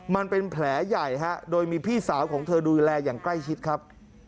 มันเป็นแผลใหญ่ฮะโดยมีพี่สาวของเธอดูแลอย่างใกล้ชิดครับ